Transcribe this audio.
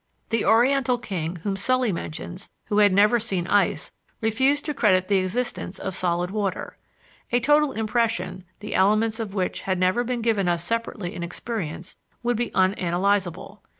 The oriental king whom Sully mentions, who had never seen ice, refused to credit the existence of solid water. A total impression, the elements of which had never been given us separately in experience, would be unanalyzable.